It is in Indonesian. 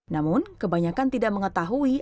namun kebanyakan tidak mengetahui